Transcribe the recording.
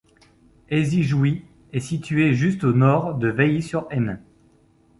Aizy-Jouy est située juste au nord de Vailly-sur-Aisne.